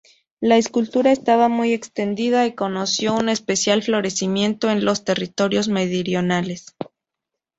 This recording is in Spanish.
La escultura estaba muy extendida y conoció un especial florecimiento en los territorios meridionales.